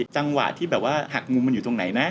จังหวะที่แบบว่าหักมุมมันอยู่ตรงไหนนะ